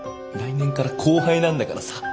来年から後輩なんだからさ。